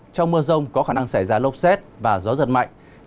trong mưa rông có khả năng xảy ra lốc xét và gió giật mạnh